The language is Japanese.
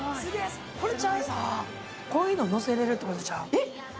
こういうの載せれるってことちゃう？